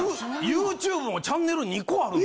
ＹｏｕＴｕｂｅもチャンネル２個あるんです。